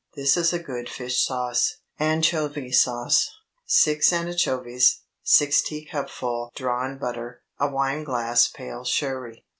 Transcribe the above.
This is a good fish sauce. ANCHOVY SAUCE. 6 anchovies. A teacupful drawn butter. A wineglass pale Sherry.